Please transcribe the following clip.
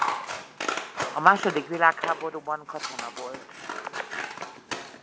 A második világháborúban katona volt.